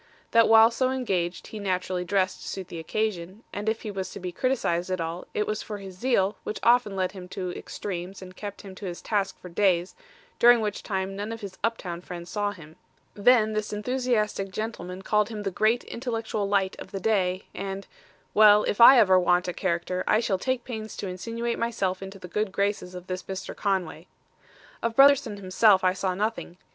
That while so engaged he naturally dressed to suit the occasion, and if he was to be criticised at all, it was for his zeal which often led him to extremes and kept him to his task for days, during which time none of his up town friends saw him. Then this enthusiastic gentleman called him the great intellectual light of the day, and well, if ever I want a character I shall take pains to insinuate myself into the good graces of this Mr. Conway. "Of Brotherson himself I saw nothing.